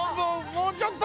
「もうちょっと！